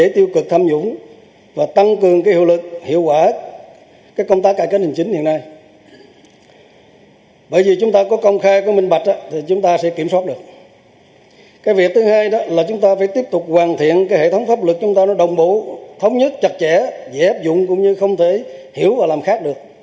thống nhất chặt chẽ dễ áp dụng cũng như không thể hiểu và làm khác được